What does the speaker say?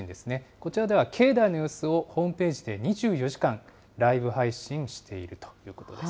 こちらでは境内の様子をホームページで２４時間ライブ配信しているということです。